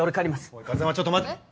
おい風真ちょっと待。